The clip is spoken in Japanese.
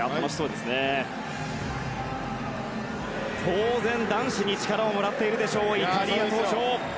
当然、男子に力をもらっているでしょうイタリア登場！